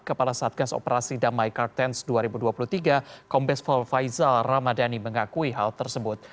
kepala satgas operasi damai kartens dua ribu dua puluh tiga kombespol faizal ramadhani mengakui hal tersebut